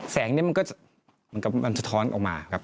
แสงนี้จะท้อนออกมา